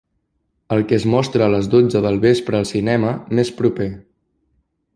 El que es mostra a les dotze del vespre al cinema més proper